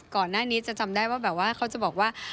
ก่อนหน้านี้จะจำได้ว่าแบบว่าเขาจะบอกว่า